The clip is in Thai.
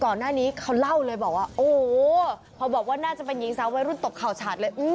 ก่อนหน้านี้เขาเล่าเลยบอกว่าโอ้โห